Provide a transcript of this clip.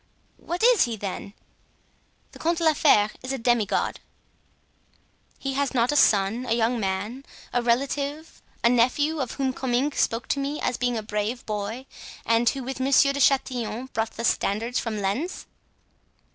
"What is he, then?" "The Comte de la Fere is a demi god." "Has he not a son, a young man, a relative, a nephew, of whom Comminges spoke to me as being a brave boy, and who, with Monsieur de Chatillon, brought the standards from Lens?"